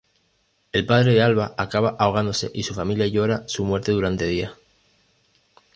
El padre de Alba acaba ahogándose y su familia llora su muerte durante días.